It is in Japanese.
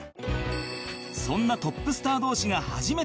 そんなトップスター同士が初めて出会ったのが